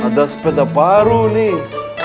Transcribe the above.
ada sepeda baru nih